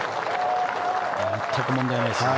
全く問題ないですね。